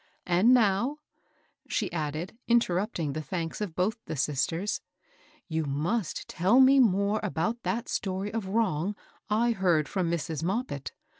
And now," she added, interrapting the thanks of both the sisters, you must tell me more about that story of wrong I heard from Mrs. Moppit.